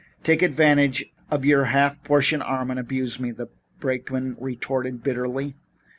Take advantage of your half portion arm and abuse me," the brakeman retorted bitterly.